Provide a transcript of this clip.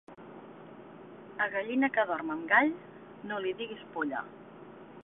A gallina que dorm amb gall, no li diguis polla.